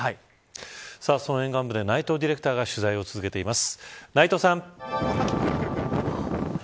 その沿岸部で内藤ディレクターが取材を続けています。